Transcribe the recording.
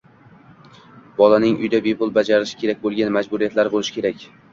• Bolaning uyda bepul bajarishi kerak bo‘lgan majburiyatlari bo‘lishi kerak.